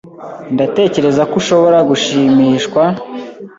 Ndatekereza ko ushobora gushimishwa ...